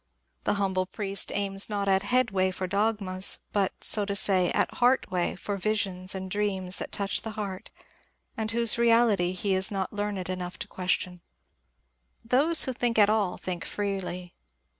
The humble priest aims not at ^^ head way " for dogmas, but, so to say, at heartway for visions and dreams that touch the heart, and whose reality he is not learned enough to question. Those who think at all think freely.